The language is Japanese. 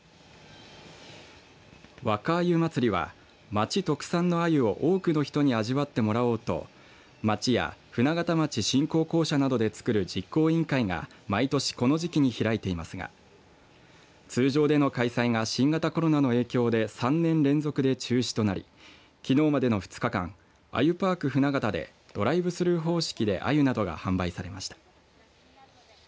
若鮎まつりは町特産のあゆを多くの人に味わってもらおうと町や舟形町振興公社などで作る実行委員会が毎年この時期に開いていますが通常での開催が新型コロナの影響で３年連続で中止となりきのうまでの２日間、アユパーク舟形でドライブスルー方式であゆなどが販売されました。